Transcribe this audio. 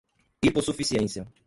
hipossuficiência